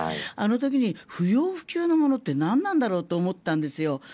あの時に不要不急のものって何なんだろうって思ったんですよ。